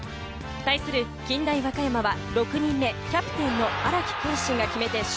対する近大和歌山は６人目、キャプテンの荒木宏心が決めて勝